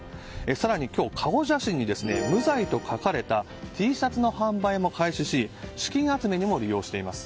更に今日、顔写真に「無罪」と書かれたＴシャツの販売も開始し資金集めにも利用しています。